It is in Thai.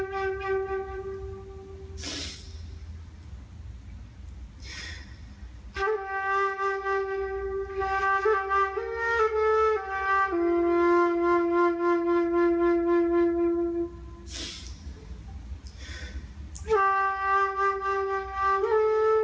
โปรดติดตามต่อไป